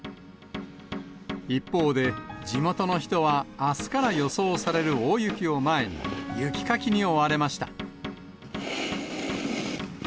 一方で、地元の人はあすから予想される大雪を前に、雪かきに追われました。